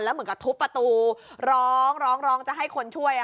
แล้วเหมือนกับทุบประตูร้องจะให้คนช่วย